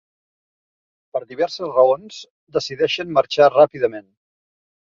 Per diverses raons, decideixen marxar ràpidament.